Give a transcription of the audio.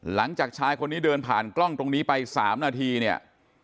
หลังจากชายคนนี้เดินผ่านกล้องตรงนี้ไป๓นาทีเนี่ย